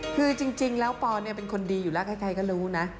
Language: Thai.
คือจริงแล้วปอนเป็นคนดีอยู่แล้วใครก็รู้นะ